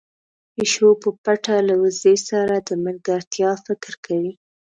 پيشو په پټه له وزې سره د ملګرتيا فکر کوي.